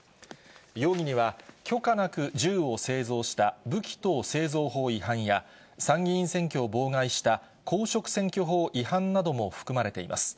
容疑には許可なく銃を製造した武器等製造法違反や、参議院選挙を妨害した公職選挙法違反なども含まれています。